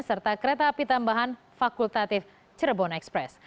serta kereta api tambahan fakultatif cirebon express